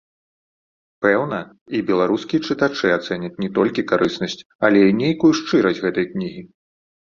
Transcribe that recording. Пэўна, і беларускія чытачы ацэняць не толькі карыснасць, але і нейкую шчырасць гэтай кнігі.